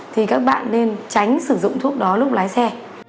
thì các bạn nên tránh sử dụng thuốc đó lúc lái xe